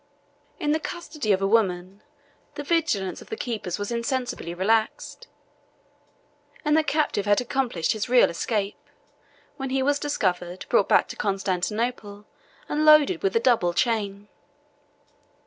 In the custody of a woman, the vigilance of the keepers was insensibly relaxed; and the captive had accomplished his real escape, when he was discovered, brought back to Constantinople, and loaded with a double chain.